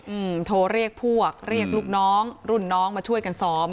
อืมโทรเรียกพวกเรียกลูกน้องรุ่นน้องมาช่วยกันซ้อม